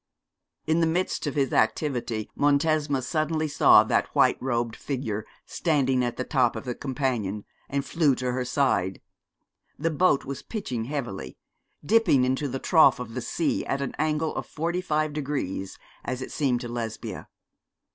In the midst of his activity Montesma suddenly saw that white robed figure standing at the top of the companion, and flew to her side. The boat was pitching heavily, dipping into the trough of the sea at an angle of forty five degrees, as it seemed to Lesbia.